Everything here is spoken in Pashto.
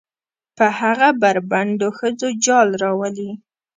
په هغه بربنډو ښځو جال روالي.